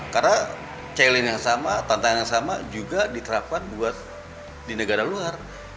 karena challenge yang sama tantangan yang sama juga diterapkan buat di negara luar